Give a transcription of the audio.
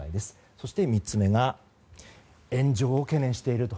そして３つ目が炎上を懸念していると。